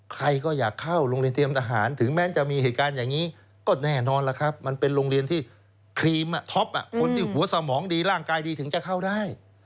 ใครก็อยากเข้าโรงเรียนเตรียมทหารถึงแม้จะมีเหตุการณ์อย่างนี้ก็แน่นอนล่ะครับมันเป็นโรงเรียนที่ครีมท็อปคนที่หัวสมองดีร่างกายดีถึงจะเข้าได้